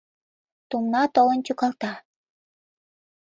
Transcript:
Тумна толын тӱкалта.